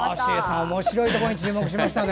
おもしろいところに注目しましたね。